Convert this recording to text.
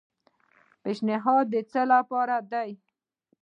پیشنھاد د څه لپاره دی؟